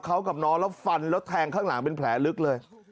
เขากับน้องแล้วฟันแล้วแทงข้างหลังเป็นแผลลึกเลย